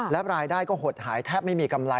และรายได้ก็หดหายแทบไม่มีกำไร